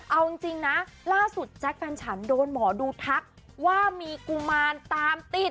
เอาจริงนะล่าสุดแจ๊คแฟนฉันโดนหมอดูทักว่ามีกุมารตามติด